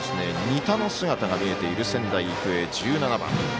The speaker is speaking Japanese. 仁田の姿が見えている仙台育英、１７番。